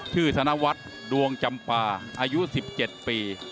ธนวัฒน์ดวงจำปาอายุ๑๗ปี